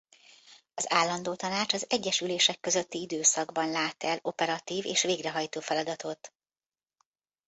Az állandó tanács az egyes ülések közötti időszakban lát el operatív és végrehajtó feladatot.